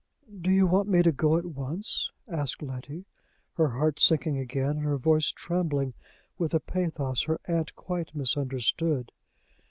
"Do you want me to go at once?" asked Letty, her heart sinking again, and her voice trembling with a pathos her aunt quite misunderstood.